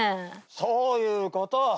そういうこと。